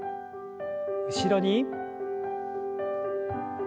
後ろに。